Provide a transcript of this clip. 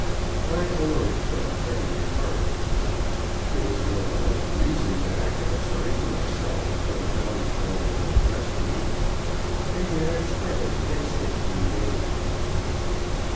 I alone felt heavy at heart. There was no valid reason that I could assign to myself for the melancholy that oppressed me, and yet I struggled against it in vain.